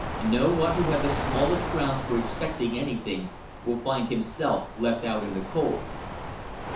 No one who had the smallest grounds for expecting anything will find himself left out in the cold."